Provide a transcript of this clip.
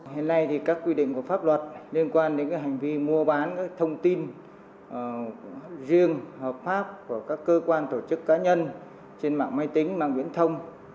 hiện nay thì các quy định của pháp luật liên quan đến hành vi mua bán các thông tin riêng hợp pháp của các cơ quan tổ chức cá nhân trên mạng máy tính mạng viễn thông